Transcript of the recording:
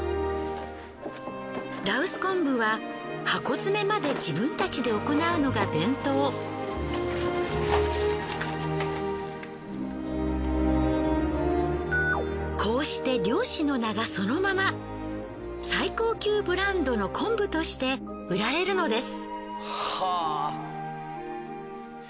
羅臼昆布はこうして漁師の名がそのまま最高級ブランドの昆布として売られるのです。